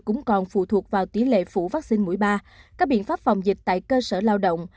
cũng còn phụ thuộc vào tỷ lệ phủ vaccine mũi ba các biện pháp phòng dịch tại cơ sở lao động